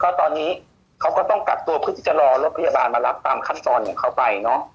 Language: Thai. ตอนนี้เขาก็ต้องกักตัวเพื่อที่จะรอรถพยาบาลมารับตามขั้นตอนของเขาไปเนอะ